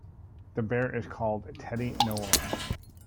The bear is called "Teddy Noir".